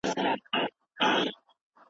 تاسو باید د مشرانو احترام او درناوی وکړئ.